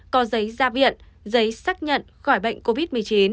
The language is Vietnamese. có giấy ra viện giấy xác nhận khỏi bệnh covid một mươi chín